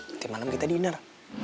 nanti malam kita dinner